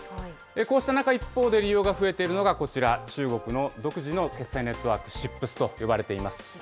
こうした中、一方で利用が増えているのがこちら、中国の独自の決済ネットワーク、ＣＩＰＳと呼ばれています。